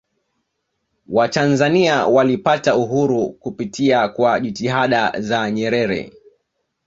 watanzania walipata uhuru kupitia kwa jitihada za nyerere